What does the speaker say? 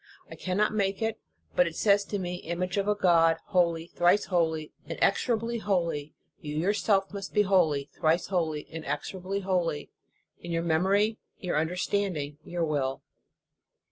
I cannot make it, but it says to me: Image of a God holy, thrice holy, inexorably holy, you your self must be holy, thrice holy, inexorably holy, in your memory, your understanding, your will.